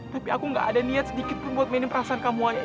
tapi aku gak ada niat sedikit pun buat minim perasaan kamu ayah